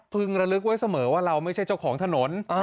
ระลึกไว้เสมอว่าเราไม่ใช่เจ้าของถนน